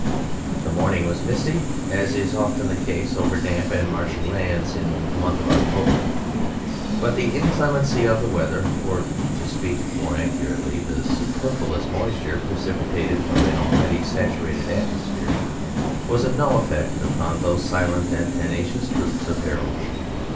The morning was misty, as is often the case over damp and marshy lands in the month of October, but the inclemency of the weather, or, to speak more accurately, the superfluous moisture precipitated from an already saturated atmosphere, was of no effect upon those silent and tenacious troops of Harold.